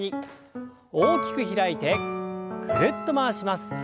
大きく開いてぐるっと回します。